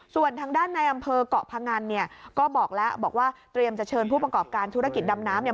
ส่วนทางด้านในอำเภอกเกาะพงันเนี่ยก็บอกแล้วบอกว่าเตรียมจะเชิญผู้ประกอบการธุรกิจดำน้ำเนี่ย